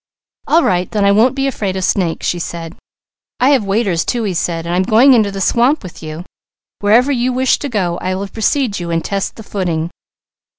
"All right, then I won't be afraid of snakes," she said. "I have waders, too," he said, "and I'm going into the swamp with you. Wherever you wish to go, I will precede you and test the footing."